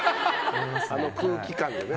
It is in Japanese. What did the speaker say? あの空気感がね。